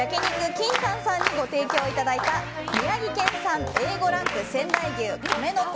ＫＩＮＴＡＮさんにご提供いただいた宮城県産Ａ５ランク仙台牛かめのこ